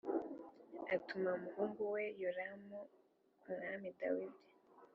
atuma umuhungu we yoramu ku mwami dawidi